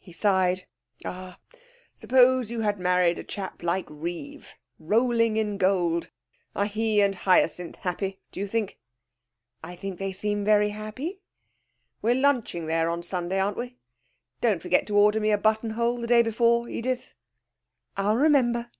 He sighed. 'Ah, suppose you had married a chap like Reeve rolling in gold! Are he and Hyacinth happy, do you think?' 'I think they seem very happy.' 'We're lunching there on Sunday, aren't we? Don't forget to order me a buttonhole the day before, Edith.' 'I'll remember.'